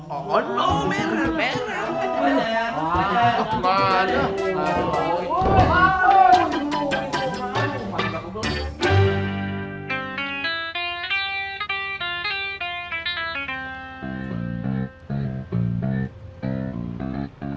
oh no merah merah